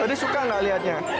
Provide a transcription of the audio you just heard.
jadi suka gak liatnya